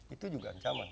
itu juga ancaman